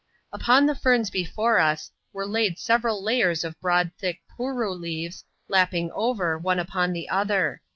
Upon the ferns before us, were laid several layers of broad thick " pooroo " leaves, lapping over, one upon the other.